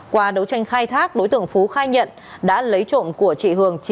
qua đấu tranh khai thác đối tượng phú khai nhận đã lấy trộm của chị hường